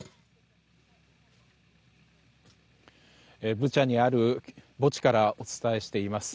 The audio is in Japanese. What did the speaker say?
ブチャにある墓地からお伝えしています。